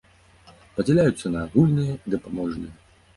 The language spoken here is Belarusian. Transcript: Падзяляюцца на агульныя і дапаможныя.